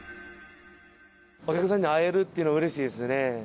お客さんに会えるっていうのはうれしいですね。